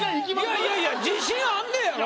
いやいやいや自信あんねやろ？